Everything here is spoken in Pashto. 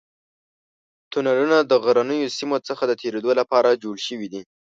تونلونه د غرنیو سیمو څخه د تېرېدو لپاره جوړ شوي دي.